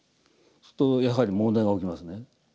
するとやはり問題が起きますね。